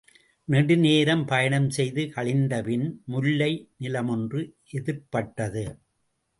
நெடுநேரம் பயணம் செய்து கழிந்தபின் முல்லை நிலமொன்று எதிர்ப்பட்டது.